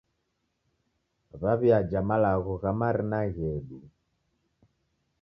W'aw'iaja malagho gha marina ghedu.